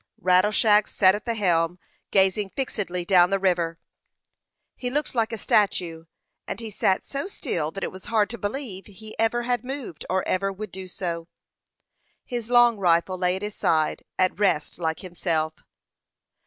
Rattleshag sat at the helm, gazing fixedly down the river. He looked like a statue, and he sat so still that it was hard to believe he ever had moved, or ever would do so. His long rifle lay at his side, at rest like himself.